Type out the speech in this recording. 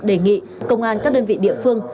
đề nghị công an các đơn vị địa phương